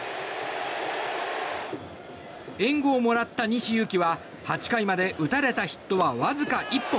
援護をもらった西勇輝は８回まで、打たれたヒットはわずか１本。